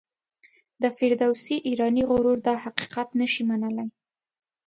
د فردوسي ایرانی غرور دا حقیقت نه شي منلای.